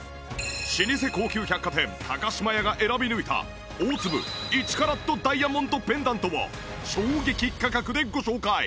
老舗高級百貨店島屋が選び抜いた大粒１カラットダイヤモンドペンダントを衝撃価格でご紹介！